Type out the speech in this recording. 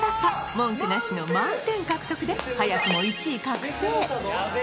文句なしの満点獲得で早くも１位確定